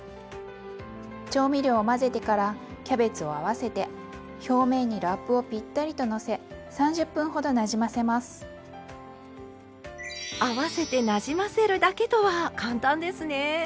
調味料を混ぜてからキャベツを合わせて表面に合わせてなじませるだけとは簡単ですね。